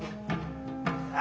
あ！